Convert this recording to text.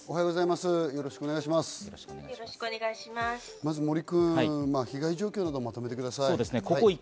まず森君、被害状況をまとめてください。